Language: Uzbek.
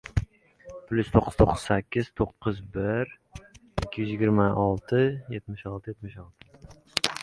Darmondan qoldi.